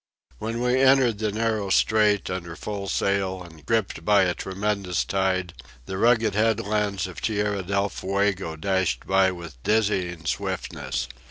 When we entered the narrow strait, under full sail and gripped by a tremendous tide, the rugged headlands of Tierra del Fuego dashed by with dizzying swiftness.